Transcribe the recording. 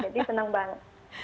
jadi senang banget